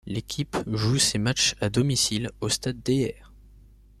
L'équipe joue ces matchs à domicile au Stade Dr.